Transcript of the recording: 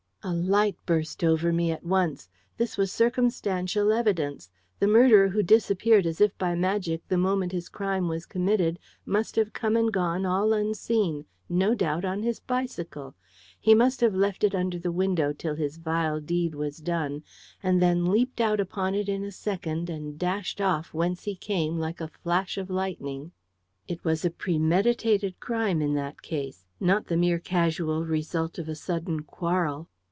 A light burst over me at once. This was circumstantial evidence. The murderer who disappeared as if by magic the moment his crime was committed must have come and gone all unseen, no doubt, on his bicycle. He must have left it under the window till his vile deed was done, and then leapt out upon it in a second and dashed off whence he came like a flash of lightning. It was a premeditated crime, in that case, not the mere casual result of a sudden quarrel.